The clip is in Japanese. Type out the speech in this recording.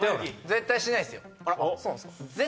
絶対しないです